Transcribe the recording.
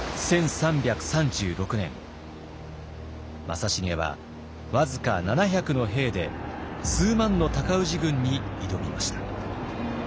正成は僅か７００の兵で数万の尊氏軍に挑みました。